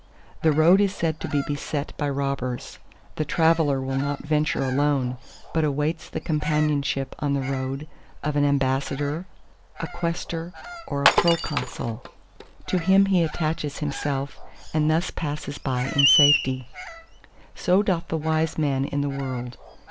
The road is said to be beset by robbers. The traveller will not venture alone, but awaits the companionship on the road of an ambassador, a quaestor or a proconsul. To him he attaches himself and thus passes by in safety. So doth the wise man in the world.